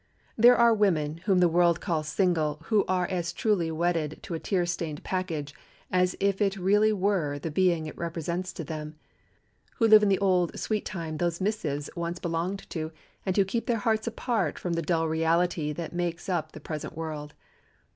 There are women whom the world calls single, who are as truly wedded to a tear stained package as if it really were the being it represents to them—who live in the old, sweet time those missives once belonged to, and who keep their hearts apart from the dull reality that makes up the present world.